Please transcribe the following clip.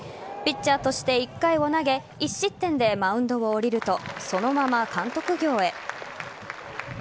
ピッチャーとして１回を投げ１失点でマウンドを降りるとそのまま監督業へ。